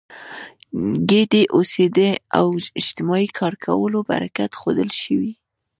ګډې اوسېدا او اجتماعي کار کولو برکت ښودل شوی.